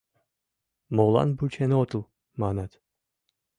«Молан вучен отыл», манат.